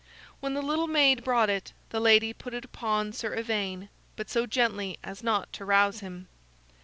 When the little maid brought it, the lady put it upon Sir Ivaine, but so gently as not to rouse him.